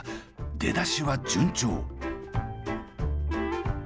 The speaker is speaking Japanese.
出だしは順調！